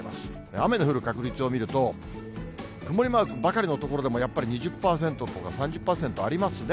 雨の降る確率を見ると、曇りマークばかりの所でも、やっぱり２０％とか３０％ありますね。